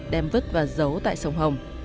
đem vứt và giấu tại sông hồng